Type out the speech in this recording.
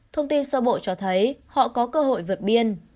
thông tin sơ bộ cho thấy họ có cơ hội vượt biên